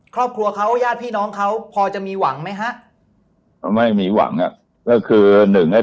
ครอบครัวเค้าญาติพี่น้องเค้าเพราะจะมีหวังมั้ยฮะ